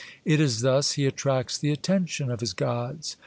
It is thus he attracts the attention of his gods.